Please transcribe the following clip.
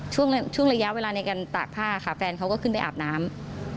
ช่วงระยะเวลาในการตากผ้าค่ะแฟนเขาก็ขึ้นไปอาบน้ำ